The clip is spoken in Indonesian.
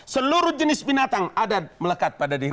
seluruh jenis binatang ada melekat pada diri